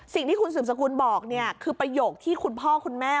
สิ่งที่คุณสืบสกุลบอกเนี่ยคือประโยคที่คุณพ่อคุณแม่